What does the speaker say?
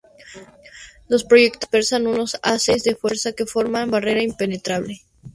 Los proyectores dispersan unos haces de fuerza que forman una barrera impenetrable.